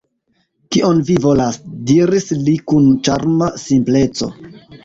«Kion vi volas? » diris li kun ĉarma simpleco.